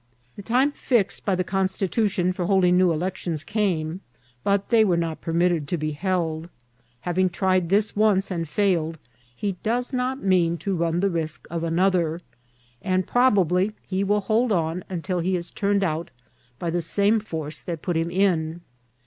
The time fixed by the Constitution for holding new elections came, but they were not permitted to be held ; having tried this <mce and failed, he does not mean to run the risk of an other ; and probably he will hold on till he is turned out by the same force that put him in.